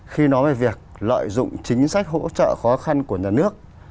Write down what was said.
khi nói về việc lợi dụng chính sách hỗ trợ khó khăn của nhà nước